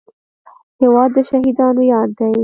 هېواد د شهیدانو یاد دی.